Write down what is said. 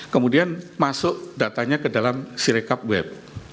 kemudian masuk datanya ke dalam sirekap web